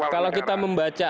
kalau kita membaca